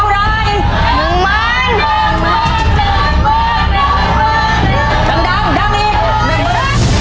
ดังดังอีก